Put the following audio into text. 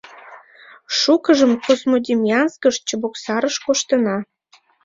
Шукыжым Козьмодемьянскыш, Чебоксарыш коштына.